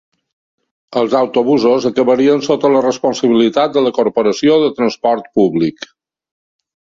Els autobusos acabarien sota la responsabilitat de la Corporació de Transport Públic.